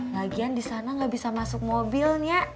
lagian disana gak bisa masuk mobil nyak